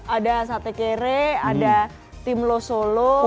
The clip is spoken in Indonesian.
ada sate kere ada timlo solo